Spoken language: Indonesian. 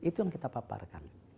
itu yang kita paparkan